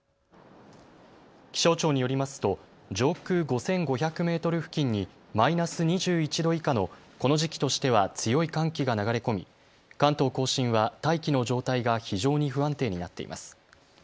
気象庁によりますと上空５５００メートル付近にマイナス２１度以下のこの時期としては強い寒気が流れ込み、関東甲信は大気の状態が非常に不安定になっています。